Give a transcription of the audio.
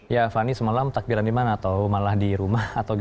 ya fani semalam takbiran di mana malah di rumah